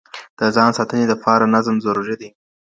د ځان ساتني دپاره نظم ضروري دی.